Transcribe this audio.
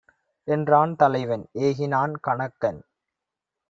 என்றான் தலைவன்! ஏகினான் கணக்கன்.